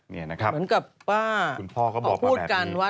นี่นะครับคุณพ่อก็บอกมาแบบนี้เหมือนกับว่าขอพูดกันว่า